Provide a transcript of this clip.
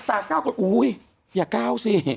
อันตรา๙ก็โอ๊ยอย่า๙ซิ